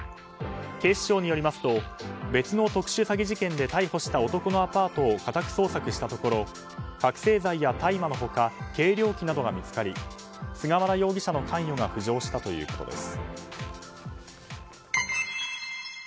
警視庁によりますと別の特殊詐欺事件で逮捕した男のアパートを家宅捜索したところ覚醒剤や大麻の他計量器などが見つかり菅原容疑者の関与が浮上したということです。